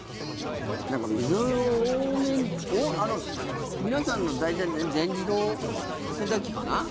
水を多めに皆さんの大体全自動洗濯機かな？